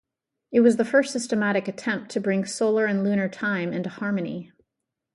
It was the first systematic attempt to bring solar and lunar time into harmony.